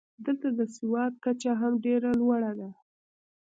دلته د سواد کچه هم ډېره لوړه ده.